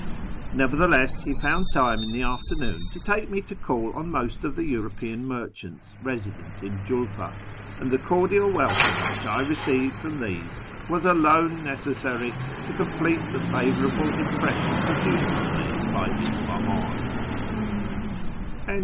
Nevertheless, he found time in the afternoon to take me to call on most of the European merchants resident in Julf;i, and the cordial welcome which I received from these was alone necessary to complete the favourable impression produced on me by Isfahan.